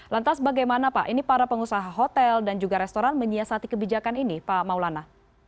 lantas bagaimana pak ini para pengusaha hotel dan juga restoran menyiasati kebijakan ini pak maulana